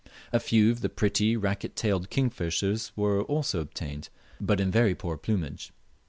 A few of the pretty racquet tailed kingfishers were also obtained, but in very poor plumage.